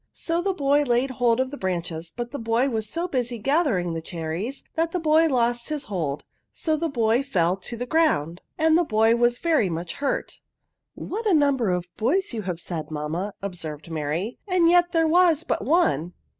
So the boy laid hold of the branches, but the boy was so busy gathering the cherries, that the boy lost his hold, so the boy fell to the ground, and the boy was very much hurt." *' What a number of boys you have said mamma!'* observed Mary, "and yet there was but one."